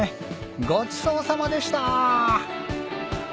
ごちそうさまでした！